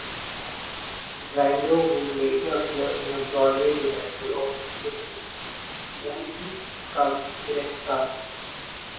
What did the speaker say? Brando would later appear in a Broadway revival of O'Neill's "Mourning Becomes Electra".